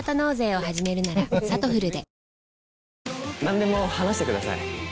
何でも話してください。